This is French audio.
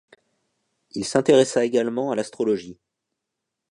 Il s'intéressa également à l'astrologie.